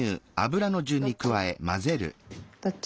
どっち？